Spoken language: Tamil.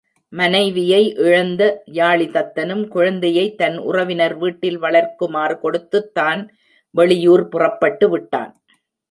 மனைவியை இழந்த யாளிதத்தனும் குழந்தையைத் தன் உறவினர் வீட்டில் வளர்க்கு மாறுகொடுத்துத் தான் வெளியூர் புறப்பட்டுவிட்டான்.